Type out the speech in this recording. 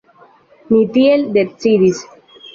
Ni tiel decidis.